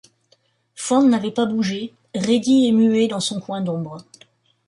Fouan n’avait pas bougé, raidi et muet dans son coin d’ombre.